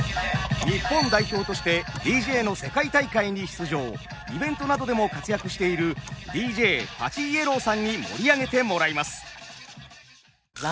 日本代表としてＤＪの世界大会に出場イベントなどでも活躍しているＤＪＰＡＣＨＩ−ＹＥＬＬＯＷさんに盛り上げてもらいます。